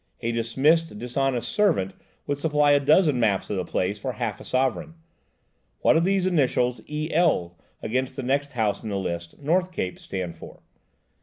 A dismissed dishonest servant would supply a dozen maps of the place for half a sovereign. What do these initials, 'E.L.,' against the next house in the list, North Cape, stand for?"